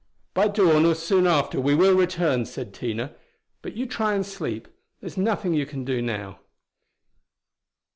"By dawn or soon after we will return," said Tina "But you try and sleep; there is nothing you can do now."